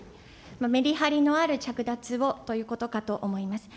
メリハリのある着脱をということかと思います。